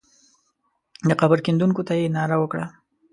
د قبر کیندونکو ته یې ناره وکړه.